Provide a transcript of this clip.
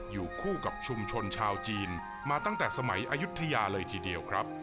อยู่คู่กับชุมชนชาวจีนมาตั้งแต่สมัยอายุทยาเลยทีเดียวครับ